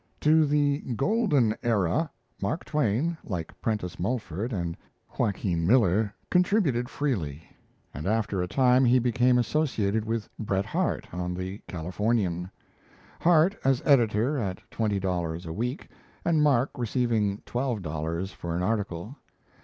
To The 'Golden Era', Mark Twain, like Prentice Mulford and Joaquin Miller, contributed freely; and after a time he became associated with Bret Harte on 'The Californian', Harte as editor at twenty dollars a week, and Mark receiving twelve dollars for an article.